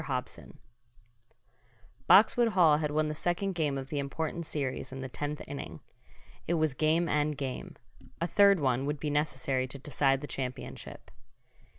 HOBSON Boxwood Hall had won the second game of the important series in the tenth inning. It was game and game a third one would be necessary to decide the championship.